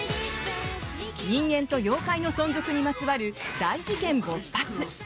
人間と妖怪の存続にまつわる大事件勃発！